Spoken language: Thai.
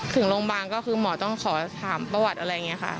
ถึงโรงพยาบาลก็คือหมอต้องขอถามประวัติอะไรอย่างนี้ค่ะ